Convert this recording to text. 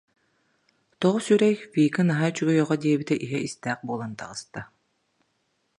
Тоҕо сүрэй, Вика наһаа үчүгэй оҕо диэбитэ иһэ истээх буолан таҕыста